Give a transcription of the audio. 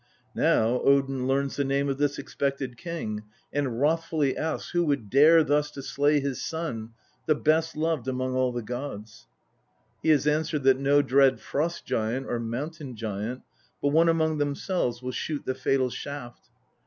Now Odin learns the name of this expected king, and wrothfully asks who would dare thus" to slay his son, the best loved among all the gods? He is answered that no dread Frost giant or Mountain giant, but one among themselves will shoot the fatal shaft.